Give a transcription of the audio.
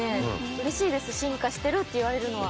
うれしいです進化してるって言われるのは。